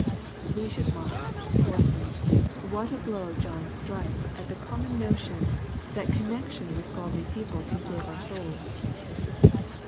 We should mark, fourthly, what a blow John strikes at the common notion^ that connextion with godly people can save our souls.